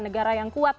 negara yang kuat